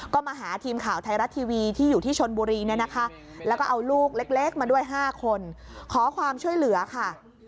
ก็มาหาทีมข่าวไทยรัฐทีวีที่อยู่ที่ชนบุรีเนี่ยนะคะแล้วก็เอาลูกเล็กมาด้วย๕คนขอความช่วยเหลือค่ะ